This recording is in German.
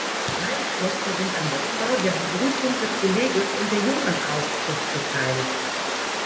Beide Geschlechter sind am Nestbau, der Bebrütung des Geleges und der Jungenaufzucht beteiligt.